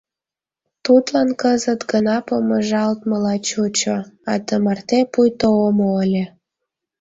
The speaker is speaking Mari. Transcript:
Тудлан кызыт гына помыжалтмыла чучо, а тымарте пуйто омо ыле.